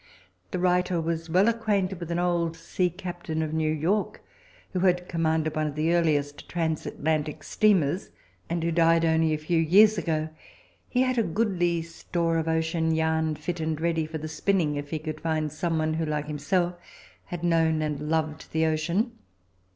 The writer was well acquainted with an old sea captain of New York, who had commanded one of the earliest transatlantic steamers, and who died only a few years ago. He had a goodly store of ocean yarn, fit and ready for the spinning, if he could but find someone who, like himself, had known and loved the ocean.